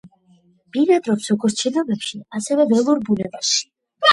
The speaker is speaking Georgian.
ბინადრობს როგორც შენობებში, ასევე ველურ ბუნებაში.